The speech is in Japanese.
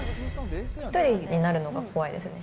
１人になるのが怖いですね。